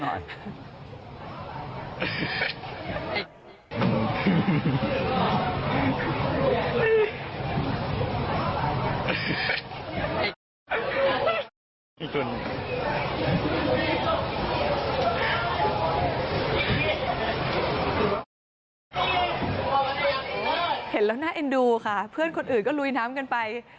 เห็นแล้วน่าเอ็นดูค่ะเพื่อนคนอื่นก็ลุยน้ำกันไป